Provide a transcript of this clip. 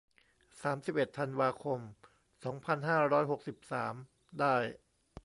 สามสิบเอ็ด ธันวาคม สองพันห้าร้อยหกสิบสาม ได้